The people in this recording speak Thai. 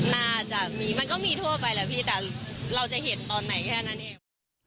น่าจะมีมันก็มีทั่วไปแหละพี่แต่เราจะเห็นตอนไหนแค่นั้นเอง